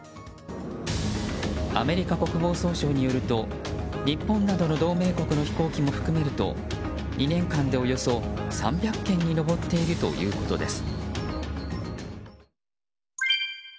アメリカ国防総省によると日本などの同盟国の飛行機も含めると２年間でおよそ３００件に上っているということです。